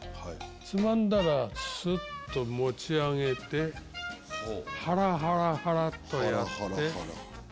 つまんだらスッと持ち上げてハラハラハラっとやって。